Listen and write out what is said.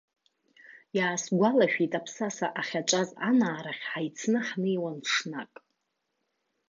Иаасгәалашәеит, аԥсаса ахьаҿаз анаарахь ҳаицны ҳнеиуан ҽнак.